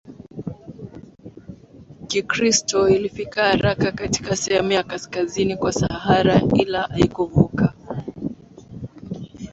Kikristo ilifika haraka katika sehemu ya Kaskazini kwa Sahara ila haikuvuka